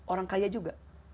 orang kaya juga